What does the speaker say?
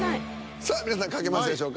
さあ皆さん書けましたでしょうか？